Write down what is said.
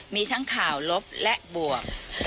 มีทั้งข่าวลบและบวก